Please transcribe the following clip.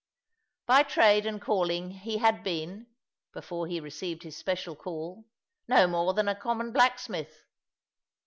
By trade and calling he had been before he received his special call no more than a common blacksmith.